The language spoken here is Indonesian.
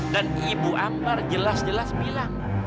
dan ibu ambar jelas jelas bilang